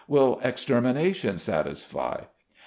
Will extermination satisfy